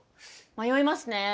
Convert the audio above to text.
迷いますね。